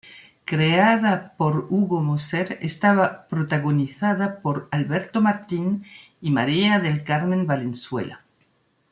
Creada por Hugo Moser, estaba protagonizada por Alberto Martín y María del Carmen Valenzuela.